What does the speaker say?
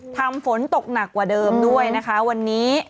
ทำฝนตกหนักกว่าเดิมด้วยนะคะวันนี้